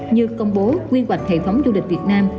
như công bố quyên hoạch hệ phóng du lịch việt nam